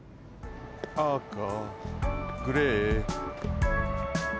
あかグレー。